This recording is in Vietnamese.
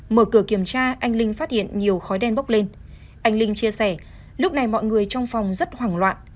mở cửa kiểm tra anh linh phát hiện nhiều khói đen bốc lên anh linh chia sẻ lúc này mọi người trong phòng rất hoảng loạn